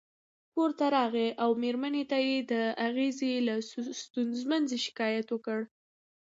کور ته راغی او مېرمنې ته یې د اغزي له ستونزې شکایت وکړ.